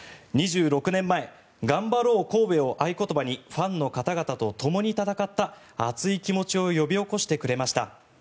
２６年前がんばろうＫＯＢＥを合言葉にファンの方々とともに戦った熱い気持ちを呼び起こしてくれました。